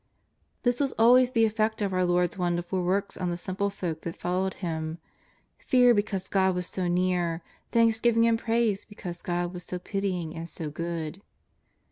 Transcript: This was always the effect of our Lord's wonderful works on the simple folk that followed Him — fear because God was so near, thanksgiving and praise because God was iio pitying and so good.